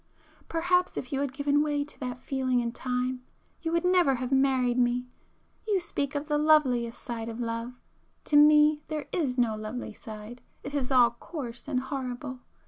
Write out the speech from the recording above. Perhaps if you had given way to that feeling in time, you would never have married me. You speak of the loveliest side of love,—to me there is no lovely side,—it is all coarse and horrible!